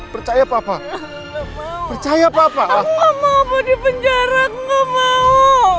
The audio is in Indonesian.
percaya papa percaya papa aku gak mau mau dipenjara aku gak mau